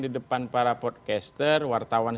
di depan para podcaster wartawan